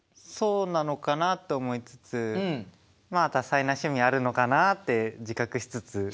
そうなのかなと思いつつまあ多彩な趣味あるのかなって自覚しつつ。